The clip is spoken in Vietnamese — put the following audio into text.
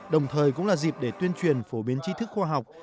đồng thời cũng là dịp để tuyên truyền phổ biến chi thức khoa học